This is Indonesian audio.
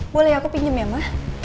boleh aku pinjem ya ma